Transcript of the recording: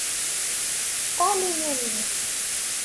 Ṭṭal iman-im.